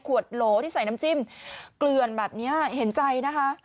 โหลที่ใส่น้ำจิ้มเกลือนแบบนี้เห็นใจนะคะ